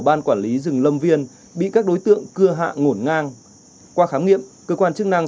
ban quản lý rừng lâm viên bị các đối tượng cưa hạ ngổn ngang qua khám nghiệm cơ quan chức năng